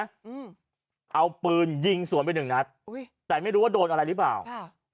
อืมเอาปืนยิงสวนไปหนึ่งนัดอุ้ยแต่ไม่รู้ว่าโดนอะไรหรือเปล่าค่ะ